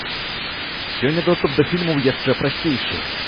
Сёння доступ да фільмаў яшчэ прасцейшы.